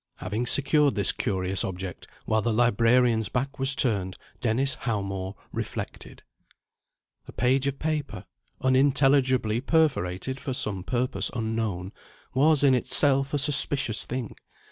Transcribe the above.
Having secured this curious object, while the librarian's back was turned, Dennis Howmore reflected. A page of paper, unintelligibly perforated for some purpose unknown, was in itself a suspicious thing.